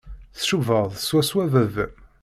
Tcubaḍ swaswa baba-m.